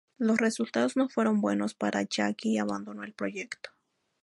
Los resultados no fueron buenos para Yagi y abandonó el proyecto.